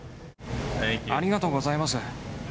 ありがとうございます。